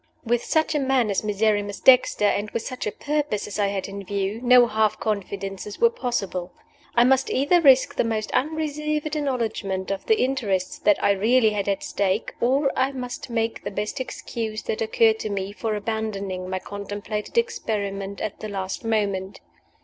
WITH such a man as Miserrimus Dexter, and with such a purpose as I had in view, no half confidences were possible. I must either risk the most unreserved acknowledgment of the interests that I really had at stake, or I must make the best excuse that occurred to me for abandoning my contemplated experiment at the last moment.